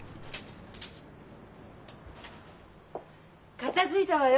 片づいたわよ